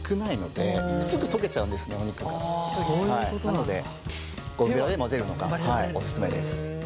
なのでゴムベラで混ぜるのがお勧めです。